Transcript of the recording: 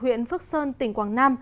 huyện phước sơn tỉnh quảng nam